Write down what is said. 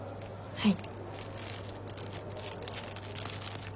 はい。